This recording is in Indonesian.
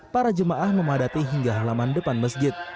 para jemaah memadati hingga halaman depan masjid